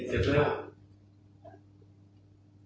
เดี๋ยวหนึ่ง